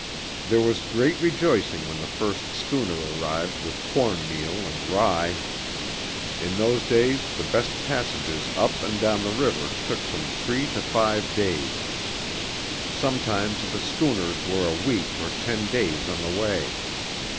There was great rejoicing when the first schooner arrived with corn meal and rye. In those days the best passages up and down the river took from three to five days. Sometimes the schooners were a week or ten days on the way.